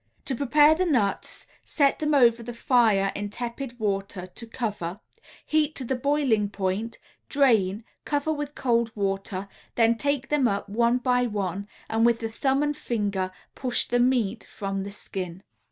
To prepare the nuts, set them over the fire in tepid water to cover, heat to the boiling point, drain, cover with cold water, then take them up, one by one, and with the thumb and finger push the meat from the skin.